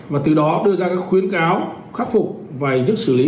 và từ đó đưa ra các khuyến cáo khắc phục và hình thức xử lý